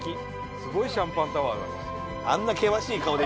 すごいシャンパンタワーだね。